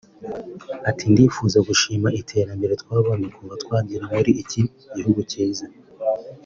Ati “Ndifuza gushima iterambere twabonye kuva twagera muri iki gihugu cyiza